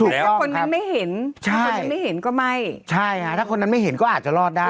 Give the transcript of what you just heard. เพราะคนนั้นไม่เห็นใช่คนนั้นไม่เห็นก็ไม่ใช่ฮะถ้าคนนั้นไม่เห็นก็อาจจะรอดได้